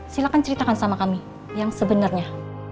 silahkan ceritakan sama kami yang sebenarnya